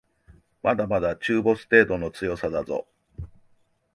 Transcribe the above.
まだまだ中ボス程度の強さだぞ